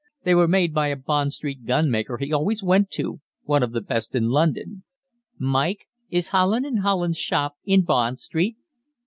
They were made by a Bond Street gun maker he always went to, one of the best in London.' Mike, is Holland and Holland's shop in Bond Street?"